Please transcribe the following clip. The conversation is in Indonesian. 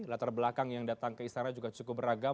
latar belakang yang datang ke istana juga cukup beragam